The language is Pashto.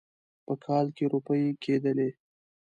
په کال کې روپۍ کېدلې.